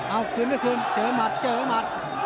เอาขึ้นไม่ถึงเจอมัดเจอมัด